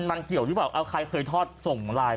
มันเกี่ยวหรือเปล่าเอาใครเคยทอดส่งไลน์มา